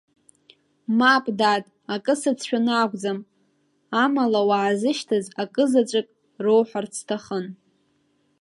Мап, дад, акы сацәшәаны акәӡам, амала уаазышьҭыз акызаҵәык роуҳәарц сҭахын…